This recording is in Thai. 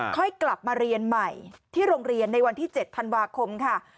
ค่อยกลับมาเรียนใหม่ที่โรงเรียนในวันที่๗ธันวาคมค่ะ